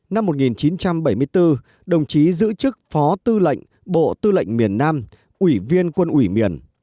năm một nghìn chín trăm bảy mươi bốn đồng chí giữ chức phó tư lệnh bộ tư lệnh miền nam ủy viên quân ủy miền